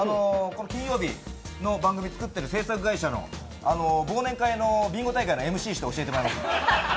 金曜日を作ってる制作スタッフの忘年会のビンゴ大会のＭＣして教えてもらいました。